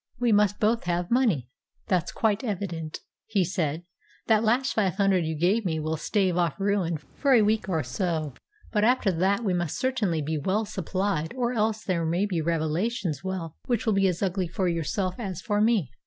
We must both have money that's quite evident," he said. "That last five hundred you gave me will stave off ruin for a week or so. But after that we must certainly be well supplied, or else there may be revelations well which will be as ugly for yourself as for me."